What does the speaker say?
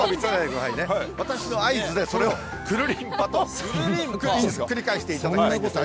私の合図で、それをくるりんぱとひっくり返していただきたいんですが。